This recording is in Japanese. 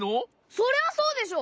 そりゃそうでしょ？